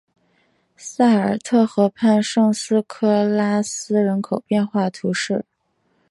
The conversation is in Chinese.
萨尔特河畔圣斯科拉斯人口变化图示